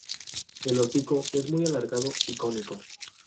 El hocico es muy alargado y cónico.